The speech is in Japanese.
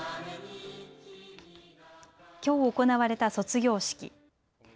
きょう行われた卒業式。